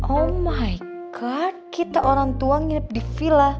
oh my god kita orang tua nginep di villa